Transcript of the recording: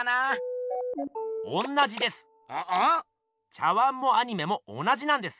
茶碗もアニメも同じなんです。